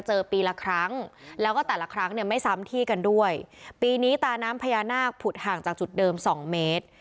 ปีละครั้งแล้วก็แต่ละครั้งเนี่ยไม่ซ้ำที่กันด้วยปีนี้ตาน้ำพญานาคผุดห่างจากจุดเดิมสองเมตร